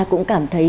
cũng cảm thấy